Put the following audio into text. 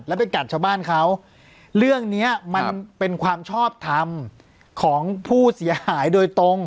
แล้วไปกัดชาวบ้านเขาเรื่องเนี้ยมันเป็นความชอบทำของผู้เสียหายโดยตรง